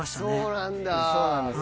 そうなんだ。